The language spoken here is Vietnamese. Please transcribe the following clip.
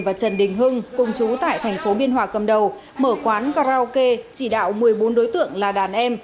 và trần đình hưng cùng chú tại thành phố biên hòa cầm đầu mở quán karaoke chỉ đạo một mươi bốn đối tượng là đàn em